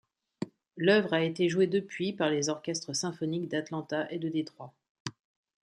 L'œuvre a été jouée depuis par les orchestres symphoniques d'Atlanta et de Détroit.